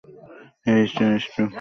হে ঈশ্বর, স্টিফলার।